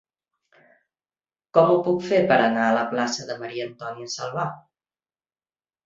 Com ho puc fer per anar a la plaça de Maria-Antònia Salvà?